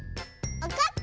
わかった。